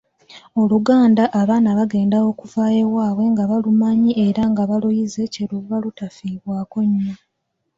Oluganda abaana bagenda okuva ewaabwe nga balumanyi era nga baluyize kye luva lutafiibwako nnyo.